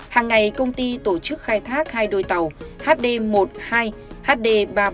hàng ngày công ty tổ chức khai thác hai đôi tàu hd một hai hd ba bốn